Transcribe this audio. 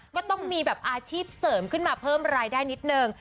ก็ต้องมีแบบอาชีพเสริมขึ้นมาเพิ่มรายได้นิดนึง